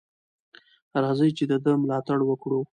راځئ چې د ده ملاتړ وکړو.